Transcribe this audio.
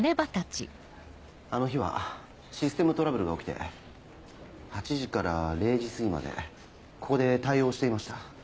あの日はシステムトラブルが起きて８時から０時すぎまでここで対応していました。